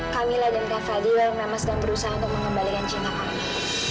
kamilah dan kak fadil yang lemas dan berusaha untuk mengembalikan cinta kami